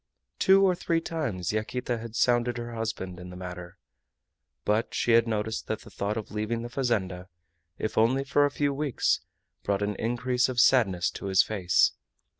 Two or three times Yaquita had sounded her husband in the matter. But she had noticed that the thought of leaving the fazenda, if only for a few weeks, brought an increase of sadness to his face.